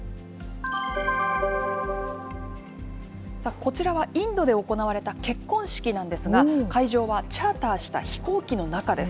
こちらはインドで行われた結婚式なんですが、会場はチャーターした飛行機の中です。